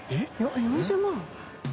４０万？